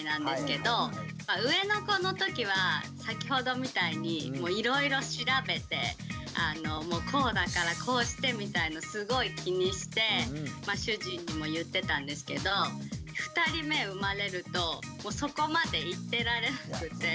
上の子のときは先ほどみたいにいろいろ調べてこうだからこうしてみたいのすごい気にして主人にも言ってたんですけど２人目生まれるとそこまで言ってられなくて。